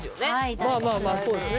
まあまあまあそうですね